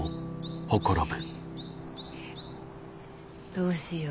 どうしよう。